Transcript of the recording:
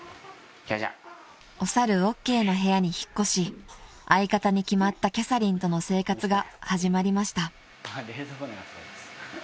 ［お猿ＯＫの部屋に引っ越し相方に決まったキャサリンとの生活が始まりました］